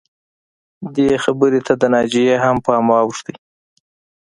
دې خبرې ته د ناجیې هم پام واوښته